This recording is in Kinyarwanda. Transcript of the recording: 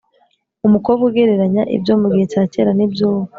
umukobwa ugereranya ibyo mu gihe cya kera n’iby’ubu